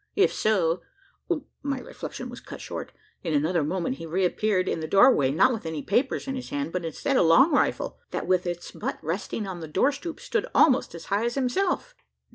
If so My reflection was cut short. In another moment he re appeared in the doorway; not with any papers in his hand but, instead, a long rifle, that with its butt resting on the door stoop, stood almost as high as himself?